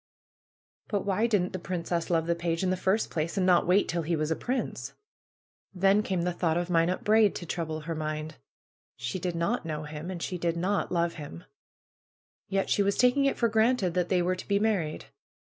But why didn't the prin 206 PRUE'S GARDENER cefis love the page in the first place, and not wait till he was a prince? Then came the thought of Minot Braid to trouble her mind. She did not know him, and did not love hinu Yet she was taking it for granted that they were to be married.